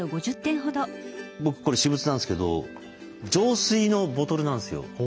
僕これ私物なんですけど浄水のボトルなんですよ。